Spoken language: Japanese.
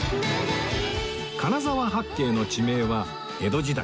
金沢八景の地名は江戸時代